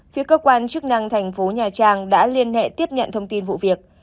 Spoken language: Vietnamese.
phía cơ quan chức năng thành phố nhà trang đã liên hệ tiếp nhận thông tin vụ việc